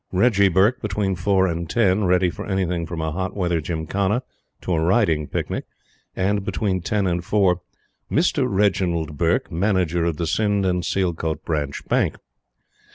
"Reggie Burke," between four and ten, ready for anything from a hot weather gymkhana to a riding picnic; and, between ten and four, "Mr. Reginald Burke, Manager of the Sind and Sialkote Branch Bank."